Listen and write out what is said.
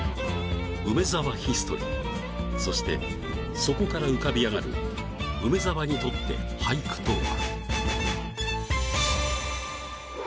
「梅沢ヒストリー」そしてそこから浮かび上がる梅沢にとって俳句とは？